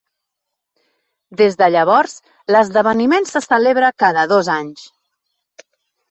Des de llavors, l'esdeveniment se celebra cada dos anys.